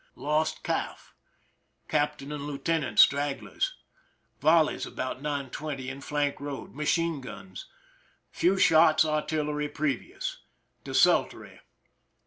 Lost calf. Captain and lieutenant, stragglers. Volleys about 9 : 20 in flank road. Machine guns. Few shots artillery pre vious. Desultory.